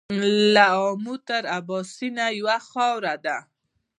له امو تر اباسينه يوه خاوره يوه وينه.